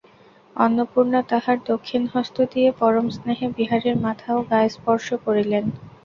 অন্নপূর্ণা তাঁহার দক্ষিণ হস্ত দিয়া পরমস্নেহে বিহারীর মাথা ও গা স্পর্শ করিলেন।